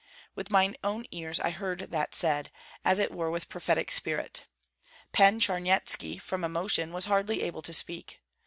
With my own ears I heard that said, as it were with prophetic spirit. Pan Charnyetski, from emotion, was hardly able to speak.